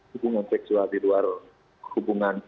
hubungan seksual di luar hubungan